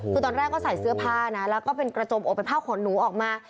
คือตอนแรกก็ใส่เสื้อผ้านะแล้วก็เป็นกระจมอกเป็นผ้าขนหนูออกมา